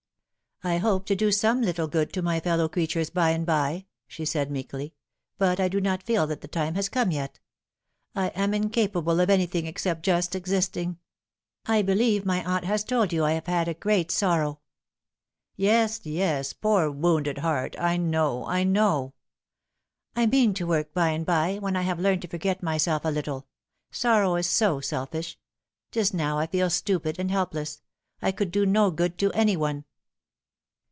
" I hope to do some little good to my fellow creatures by and by," she said meekly, " but I do not feel that the time has come yet. I am incapable of anything except just existing. I believe my aunt has told you that I have had a great sorrow "" Yes, yes, poor wounded heart, I know, I know." " I mean to work by and by when I have learned to forget myself a little. Sorrow is so selfish. Just now I feel stupid and helpless. I could do no good to any one."